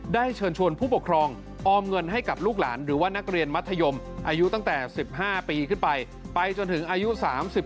เชิญชวนผู้ปกครองออมเงินให้กับลูกหลานหรือว่านักเรียนมัธยมอายุตั้งแต่๑๕ปีขึ้นไปไปจนถึงอายุ๓๓